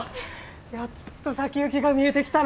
やっと先行きが見えてきたな。